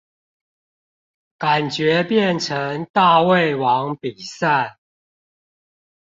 感覺變成大胃王比賽